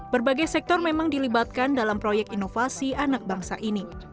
berbagai sektor memang dilibatkan dalam proyek inovasi anak bangsa ini